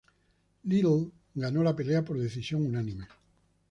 Liddell ganó la pelea por decisión unánime.